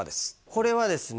これはですね